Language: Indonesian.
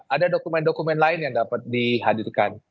ada dokumen dokumen lain yang dapat dihadirkan